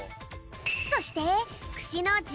そしてくしのじゅんび。